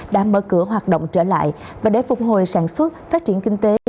đã mở cửa hoạt động trở lại và để phục hồi sản xuất phát triển kinh tế